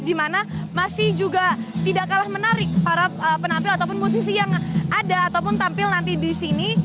di mana masih juga tidak kalah menarik para penampil ataupun musisi yang ada ataupun tampil nanti di sini